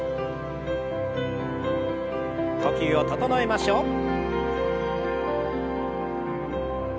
呼吸を整えましょう。